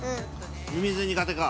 ミミズ苦手か。